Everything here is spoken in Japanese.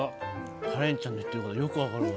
カレンちゃんが言ってることよく分かるわ。